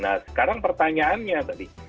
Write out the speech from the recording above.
nah sekarang pertanyaannya tadi